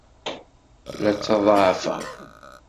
La ttaḍɛafeɣ!